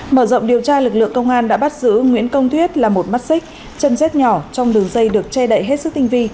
mở rộng điều tra lực lượng công an đã bắt giữ nguyễn công thuyết là một mắt xích chân xét nhỏ trong đường dây được che đậy hết sức tinh vi